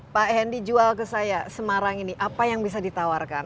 pak hendi jual ke saya semarang ini apa yang bisa ditawarkan